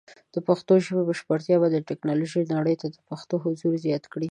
د پښتو ژبې بشپړتیا به د ټیکنالوجۍ نړۍ ته د پښتنو حضور زیات کړي.